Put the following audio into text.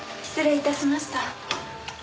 失礼致しました。